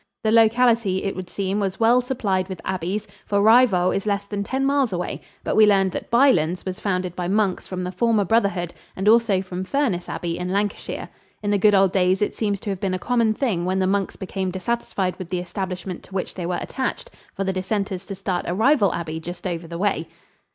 The locality, it would seem, was well supplied with abbeys, for Rievaulx is less than ten miles away, but we learned that Bylands was founded by monks from the former brotherhood and also from Furness Abbey in Lancashire. In the good old days it seems to have been a common thing when the monks became dissatisfied with the establishment to which they were attached for the dissenters to start a rival abbey just over the way.